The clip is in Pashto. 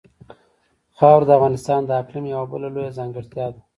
خاوره د افغانستان د اقلیم یوه بله لویه ځانګړتیا ده.